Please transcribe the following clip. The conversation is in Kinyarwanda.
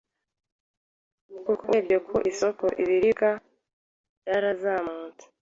kuko urebye ku isoko ibiciro by’ibiribwa byarazamutse